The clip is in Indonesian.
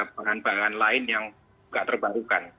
pengurangan lain yang tidak terbarukan